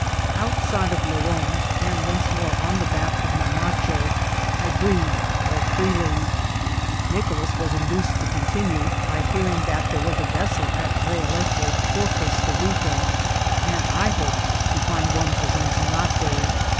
Outside of Leon, and once more on the back of my macho, I breathed more freely. Nicolas was induced to continue by hearing that there was a vessel at Realejo for Costa Rica, and I hoped to find one for Zonzonate.